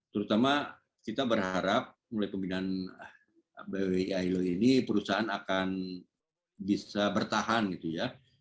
terutama kita berharap oleh pembinan bwi ayu ini perusahaan akan bisa bertahan gitu ya